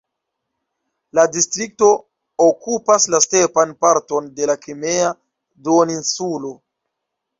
La distrikto okupas la stepan parton de la Krimea duoninsulo.